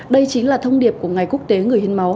đây chính là thông điệp của ngày quốc tế người hiến máu